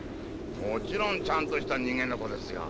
もちろんちゃんとした人間の子ですよ。